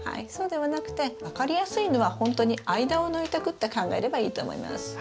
そうではなくて分かりやすいのはほんとに間を抜いてくって考えればいいと思います。